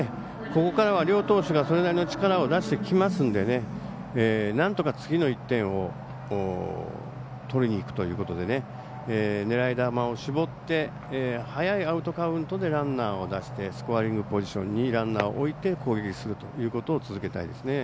ここからは両投手がそれなりの力を出してきますのでなんとか次の１点を取りにいくということで狙い球を絞って早いアウトカウントでランナーを出してスコアリングポジションにランナーを置いて攻撃するということを続けたいですね。